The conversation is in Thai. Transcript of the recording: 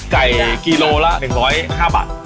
กิโลละ๑๐๕บาท